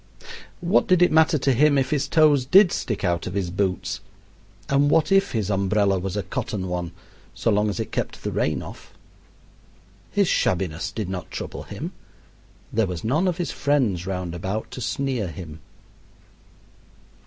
What did it matter to him if his toes did stick out of his boots? and what if his umbrella was a cotton one, so long as it kept the rain off? His shabbiness did not trouble him; there was none of his friends round about to sneer him.